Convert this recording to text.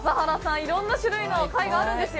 いろんな種類の貝があるんですよ。